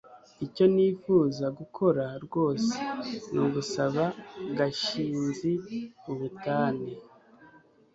icyo nifuza gukora rwose ni ugusaba gashinzi ubutane